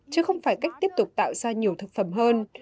chứ không phải cách tiếp tục tạo ra nhiều thực phẩm hơn